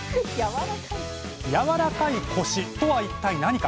やわらかいコシとは一体何か。